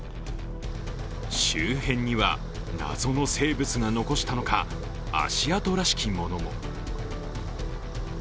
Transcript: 周辺には謎の生物が残したのか、足跡らしきものも。